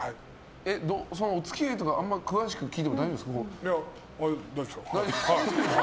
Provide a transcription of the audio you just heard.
お付き合いとかあんま詳しく聞いたことないんですけど。